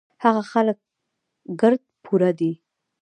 هغه خلک ګړد پوره دي